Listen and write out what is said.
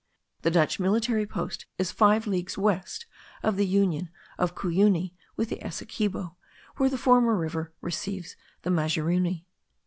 The Dutch military post is five leagues west of the union of Cuyuni with the Essequibo, where the former river receives the Mazuruni.)